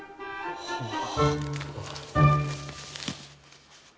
はあ。